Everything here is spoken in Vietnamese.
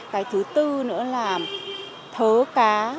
cái thứ tư nữa là thớ cá